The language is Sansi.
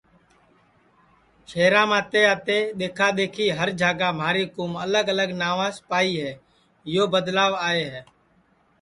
شہرام آتے آتے دِؔکھا دِؔکھی ہر جھاگا مہاری کُوم الگ الگ ناوس پائی ہے یو بدلاو آئے ہے